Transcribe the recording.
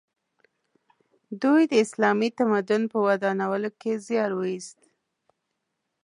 دوی د اسلامي تمدن په ودانولو کې زیار وایست.